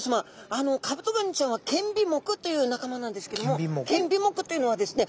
あのカブトガニちゃんは剣尾目という仲間なんですけども剣尾目というのはですね